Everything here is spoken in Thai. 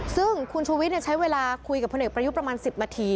ซึ่งคุณชูวิทย์ใช้เวลาคุยกับพลเอกประยุทธ์ประมาณ๑๐นาที